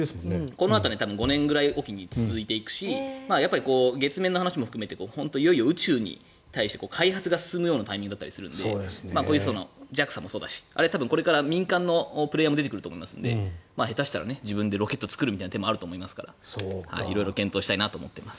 このあと５年おきくらいに続いていくしやっぱり月面の話も含めて本当にいよいよ宇宙に対して開発が進むようなタイミングなのでＪＡＸＡもそうだしあるいは民間のプレーヤーも出てくると思いますので下手したら自分でロケットを作る手もあると思いますから色々検討したいなと思っています。